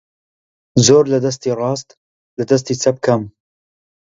زۆر لە دەستی ڕاست لە دەستی چەپ کەم